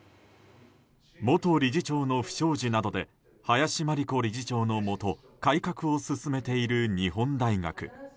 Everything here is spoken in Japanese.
元理事長の不祥事などで林真理子理事長のもと改革を進めている日本大学。